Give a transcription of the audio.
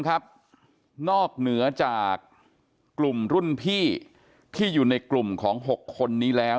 นอกเหนือจากกลุ่มรุ่นพี่ที่อยู่ในกลุ่มของ๖คนนี้แล้ว